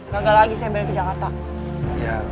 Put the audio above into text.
gagal lagi saya beli ke jakarta